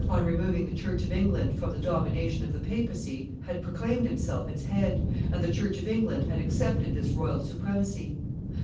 on removing the church of England from the domination of the papacy, had proclaimed himself its head, and the church of England had accepted this royal supremacy.